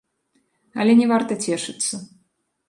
Але не варта цешыцца.